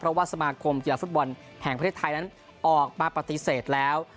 เพราะว่าสมาคมกีฬาฟุตบอลแห่งประเทศไทยนั้นออกมาปฏิเสธแล้ว